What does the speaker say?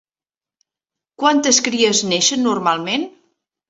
Quantes cries neixen normalment?